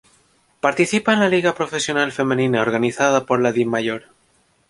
Participa en la Liga Profesional Femenina organizada por la Dimayor.